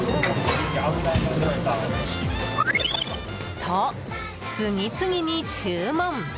と、次々に注文。